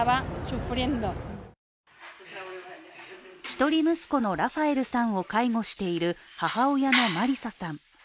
一人息子のラファエルさんを介護している母親のマリサさん。